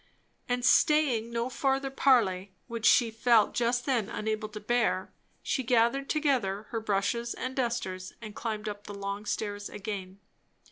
And staying no further parley, which she felt just then unable to bear, she gathered together her brushes and dusters and climbed up the long stairs again.